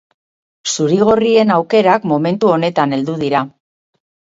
Zurigorrien aukerak momentu honetan heldu dira.